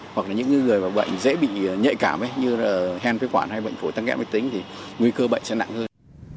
hoặc là những người bệnh dễ bị nhạy cảm như là hen phế quản hay bệnh phổi tăng nghẹn bệnh tính thì nguy cơ bệnh sẽ nặng hơn